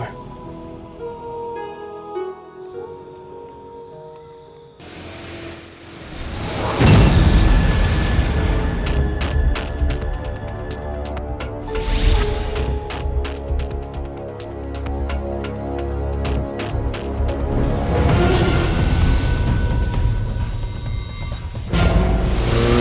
apa sudah kita lakukan